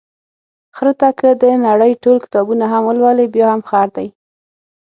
خره ته که د نړۍ ټول کتابونه هم ولولې، بیا هم خر دی.